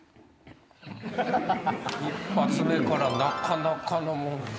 １発目からなかなかのもんで。